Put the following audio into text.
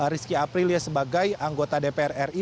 rizky aprilia sebagai anggota dpr ri